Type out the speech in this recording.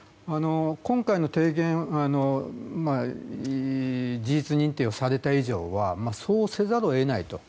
今回の提言事実認定をされた以上はそうせざるを得ないと。